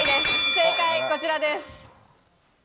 正解こちらです。